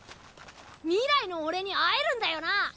未来の俺に会えるんだよな？